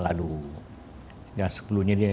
lalu dan sebelumnya